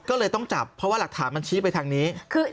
ก็เลยต้องจับเพราะว่าหลักฐานมันชี้ไปทางนี้